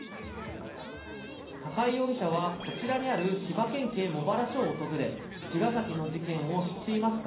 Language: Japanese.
高井容疑者はこちらにある千葉県警茂原署を訪れ、茅ヶ崎の事件を知っていますか？